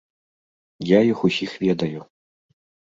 Я іх усіх ведаю.